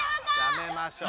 やめましょう。